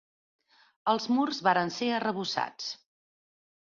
Els murs varen ser arrebossats.